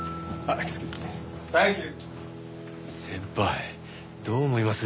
先輩どう思います？